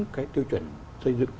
cái tiêu chuẩn xây dựng